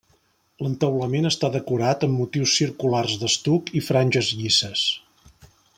L'entaulament està decorat amb motius circulars d'estuc i franges llisses.